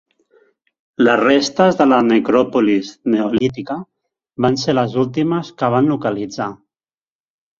Les restes de la necròpolis neolítica van ser les últimes que van localitzar.